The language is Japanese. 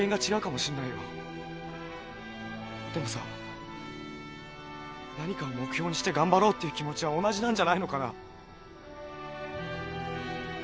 でもさ何かを目標にして頑張ろうっていう気持ちは同じなんじゃないのかな。